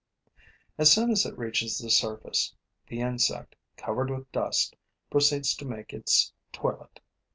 As soon as it reaches the surface, the insect, covered with dust, proceeds to make its toilet.